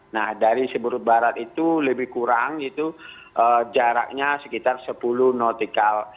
nah dari seberut barat itu lebih kurang itu jaraknya sekitar sepuluh nautical